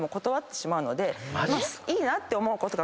いいなって思う子とか。